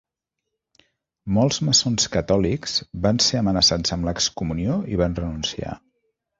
Molts maçons catòlics van ser amenaçats amb l'excomunió i van renunciar.